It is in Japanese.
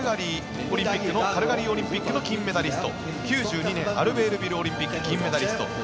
８８年カルガリーオリンピックの金メダリスト９２年アルベールビルオリンピック銀メダリスト